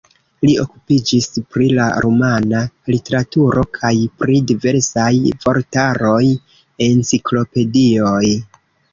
Li okupiĝis pri la rumana literaturo kaj pri diversaj vortaroj, enciklopedioj.